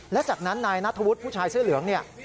และจากนั้นนายนัทธวุฒิผู้ชายเสื้อเหลืองเนี่ย